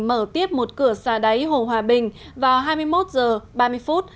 mở tiếp một cửa xà đáy hồ hòa bình vào hai mươi một h ba mươi phút